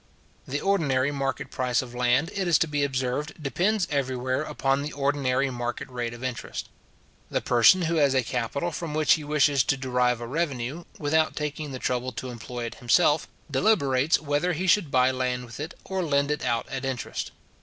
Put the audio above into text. The ordinary market price of land, it is to be observed, depends everywhere upon the ordinary market rate of interest. The person who has a capital from which he wishes to derive a revenue, without taking the trouble to employ it himself, deliberates whether he should buy land with it, or lend it out at interest.